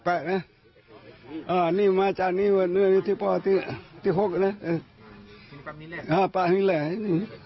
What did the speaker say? อันนี้มาจากนี้ว่าเนื้ออยู่ที่ป่าวที่ที่หกนะอ่าปักนี้แหละอันนี้